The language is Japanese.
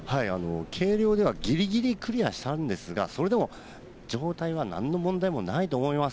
計量ではぎりぎりクリアしたんですがそれでも状態は何の問題もないと思います。